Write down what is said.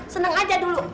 seneng aja dulu